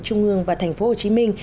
trung ương và thành phố hồ chí minh